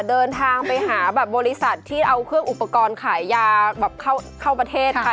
เดินทางไปหาแบบบริษัทที่เอาเครื่องอุปกรณ์ขายยาแบบเข้าประเทศค่ะ